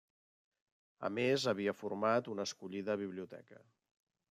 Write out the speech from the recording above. A més havia format una escollida biblioteca.